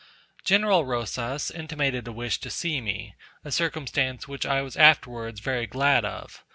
General Rosas intimated a wish to see me; a circumstance which I was afterwards very glad of.